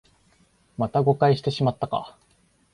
また誤解してしまったか